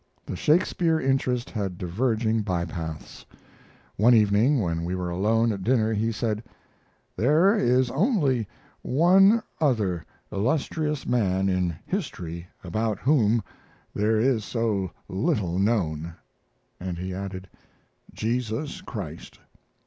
The Shakespeare interest had diverging by paths. One evening, when we were alone at dinner, he said: "There is only one other illustrious man in history about whom there is so little known," and he added, "Jesus Christ."